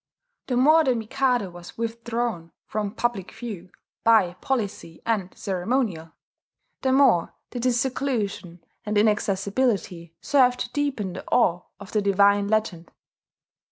The more the Mikado was withdrawn from public view by policy and by ceremonial, the more did his seclusion and inaccessibility serve to deepen the awe of the divine legend.